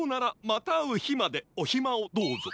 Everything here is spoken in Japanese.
またあうひまでおひまをどうぞ。